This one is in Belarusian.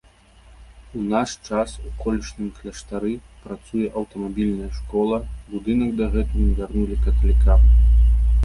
У наш час у колішнім кляштары працуе аўтамабільная школа, будынак дагэтуль не вярнулі каталікам.